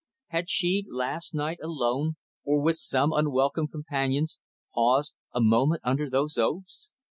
Had she, last night, alone, or with some unwelcome companions, paused a moment under those oaks?